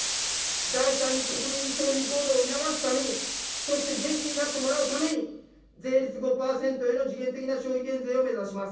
第３に国民に消費行動を促すために、そして元気になってもらうために、税率５％への時限的な消費減税を目指します。